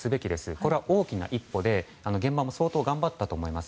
これは大きな一歩で現場も相当頑張ったと思います。